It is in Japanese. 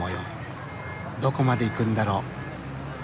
どこまで行くんだろう。